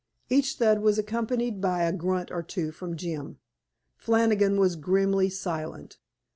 Each thud was accompanied by a grunt or two from Jim. Flannigan was grimly silent.